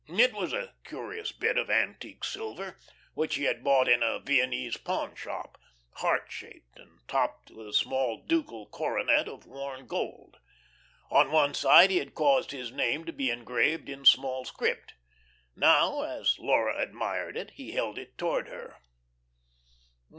It was a curious bit of antique silver, which he had bought in a Viennese pawnshop, heart shaped and topped with a small ducal coronet of worn gold. On one side he had caused his name to be engraved in small script. Now, as Laura admired it, he held it towards her.